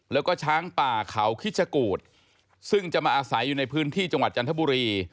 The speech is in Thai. แล้วก็ช้างป่าเขาคิดชะกูธซึ่งจะมาอาศัยอยู่ในพื้นที่จังหวัดจันทบุรี